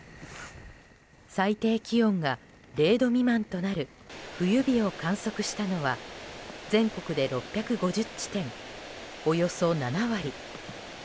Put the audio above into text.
最低気温が０度未満となる冬日を観測したのは全国で６５０地点、およそ７割。